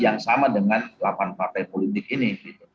yang sama dengan delapan partai politik ini